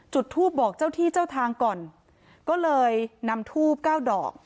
จุดทูปบอกเจ้าที่เจ้าทางก่อนก็เลยนำทูบเก้าดอก